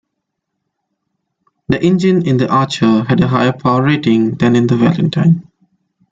The engine in the Archer had a higher power rating than in the Valentine.